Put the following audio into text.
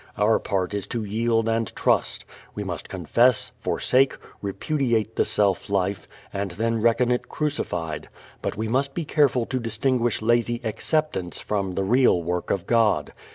Our part is to yield and trust. We must confess, forsake, repudiate the self life, and then reckon it crucified. But we must be careful to distinguish lazy "acceptance" from the real work of God.